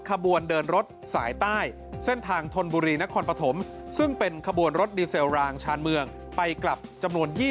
ขบวนเดินรถสายใต้เส้นทางธนบุรีนครปฐมซึ่งเป็นขบวนรถดีเซลรางชานเมืองไปกลับจำนวน๒๐